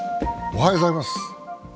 おはようございます。